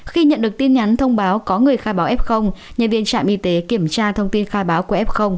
khi nhận được tin nhắn thông báo có người khai báo f nhân viên trạm y tế kiểm tra thông tin khai báo của f